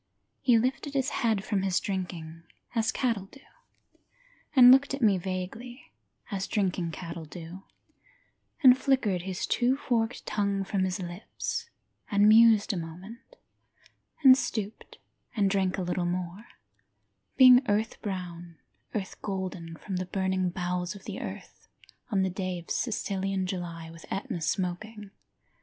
He lifted his head from his drinking, as cattle do, And looked at me vaguely, as drinking cattle do, And flickered his two forked tongue from his lips, and mused a moment, And stooped and drank a little more, Being earth brown, earth golden from the burning bowels of the earth On the day of Sicilian July, with Etna smoking.